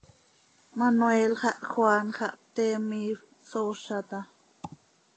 Manuel xah, Juan xah, pte miifp, sooza taa.